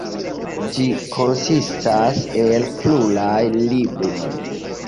Ĝi konsistas el pluraj libroj.